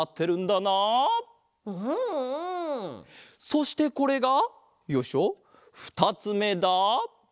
そしてこれがよいしょふたつめだ。